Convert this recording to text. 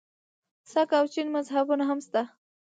سک او جین مذهبونه هم شته.